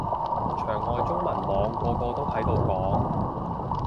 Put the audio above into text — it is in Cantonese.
牆外中文網個個都喺度講